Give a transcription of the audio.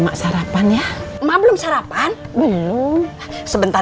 lagi pun ada urusan dulu sebentar